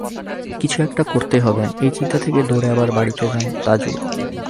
কিছু একটা করতেই হবে—এই চিন্তা থেকেই দৌড়ে আবার বাড়িতে যান তাজুল।